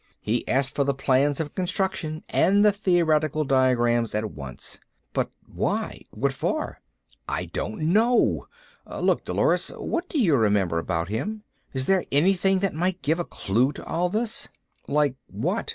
He asked for the plans of construction and the theoretical diagrams at once." "But why? What for?" "I don't know. Look, Dolores. What do you remember about him? Is there anything that might give a clue to all this?" "Like what?"